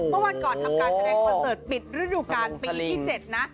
เมื่อวันก่อนทำการแข่งกว่าเศรษฐ์ปิดฤดูกาลปีที่๗นะ